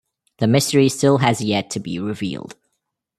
The mystery still has yet to be revealed.